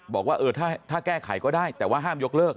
บอกว่าถ้าแก้ไขก็ได้แต่ว่าห้ามยกเลิก